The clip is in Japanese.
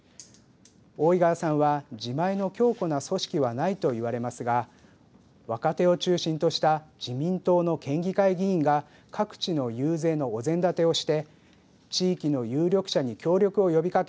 大井川さんは自前の強固な組織はないと言われますが若手を中心とした自民党の県議会議員が各地の遊説のお膳立てをして地域の有力者に協力を呼びかけ